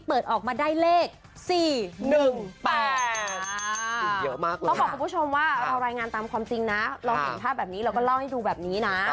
เป็นความบูรณ์